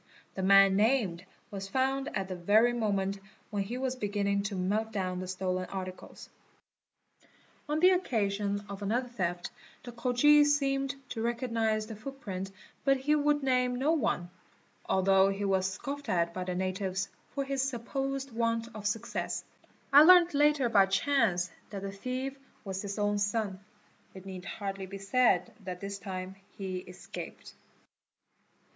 The man named was found at the very moment when he was beginning to melt down the stolen articles. On the occasion of another theft the Khoji seemed to recognise the footprint but he would name no one, al though he was scoffed at by the natives for his supposed want of success. I learnt later by chance that the thief was his own son: it need hardly be said that this time he escaped.